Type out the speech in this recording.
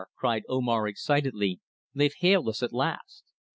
cried Omar excitedly. "They've hailed us at last!"